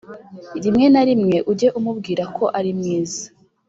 rimwe na rimwe ujye umubwira ko arimwiza